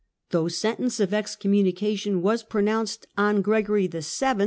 Though sentence of excommunication was pronounced on Gregory VII.